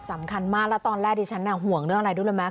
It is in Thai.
สำคัญมากแล้วตอนแรกดิฉันห่วงเรื่องอะไรรู้ไหม